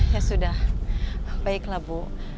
ya sudah baiklah bu